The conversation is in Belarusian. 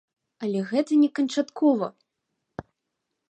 Але гэта не канчаткова.